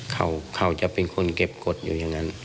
เขาจะเป็นคนเก็บกฎอยู่อย่างนั้น